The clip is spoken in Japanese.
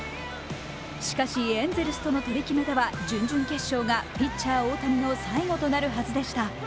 しかし、エンゼルスとの取り決めでは、準々決勝がピッチャー・大谷の最後となるはずでした。